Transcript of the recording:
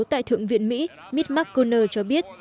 tại thượng viện mỹ mitch mcconnell cho biết